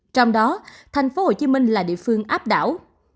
trong đó thành phố hồ chí minh là địa phương áp đảo